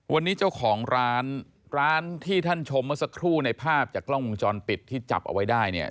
วันนี้เจ้าของร้านร้านที่ท่านชมเมื่อสักครู่ในภาพจากกล้องวงจรปิดที่จับเอาไว้ได้เนี่ย